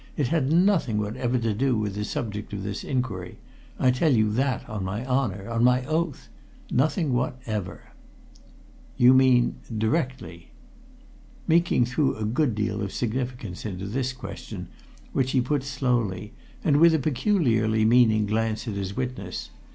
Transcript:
It had nothing whatever to do with the subject of this inquiry I tell you that on my honour, on my oath. Nothing whatever!" "You mean directly?" Meeking threw a good deal of significance into this question, which he put slowly, and with a peculiarly meaning glance at his witness.